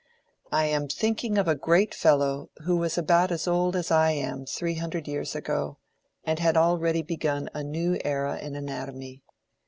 "I am thinking of a great fellow, who was about as old as I am three hundred years ago, and had already begun a new era in anatomy."